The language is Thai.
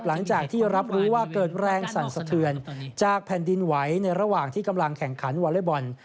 หลังจากที่รับรู้ว่าเกิดแรงสั่นสะเทือนจากแผ่นดินไหวในระหว่างที่กำลังแข่งขันวอเล็กบอล